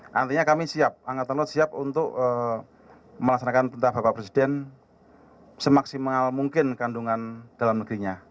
nantinya kami siap angkatan laut siap untuk melaksanakan perintah bapak presiden semaksimal mungkin kandungan dalam negerinya